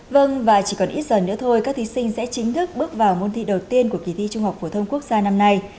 vâng và chỉ còn ít giờ nữa thôi các thí sinh sẽ chính thức bước vào môn thi đầu tiên của kỳ thi trung học phổ thông quốc gia năm nay